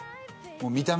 見た目